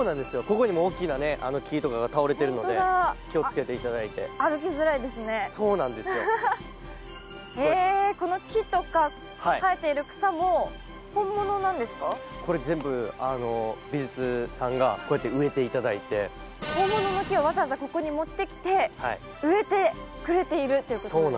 ここにも大きなね木とかが倒れてるので気をつけていただいて歩きづらいですねそうなんですよへえこうやって植えていただいて本物の木をわざわざここに持ってきて植えてくれているっていうことなんですね